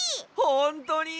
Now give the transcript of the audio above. ほんとに？